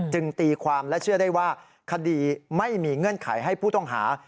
ตีความและเชื่อได้ว่าคดีไม่มีเงื่อนไขให้ผู้ต้องหา